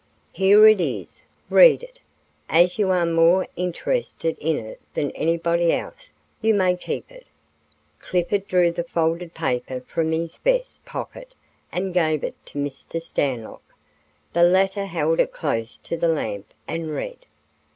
Here it is; read it. As you are more interested in it than anybody else, you may keep it." Clifford drew the folded paper from his vest pocket and gave it to Mr. Stanlock. The latter held it close to the lamp and read.